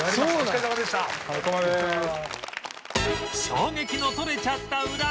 衝撃の撮れちゃったウラ